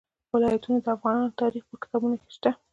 ولایتونه د افغان تاریخ په کتابونو کې شته.